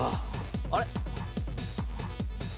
あれ？